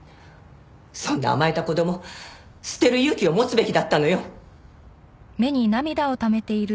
そんな甘えた子供捨てる勇気を持つべきだったのよ。